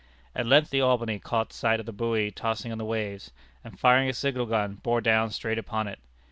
At length the Albany caught sight of the buoy tossing on the waves, and, firing a signal gun, bore down straight upon it.